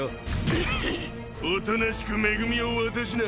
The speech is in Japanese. ぐふおとなしく恵を渡しな。